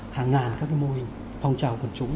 hàng ngàn các mô hình phong trào quần chúng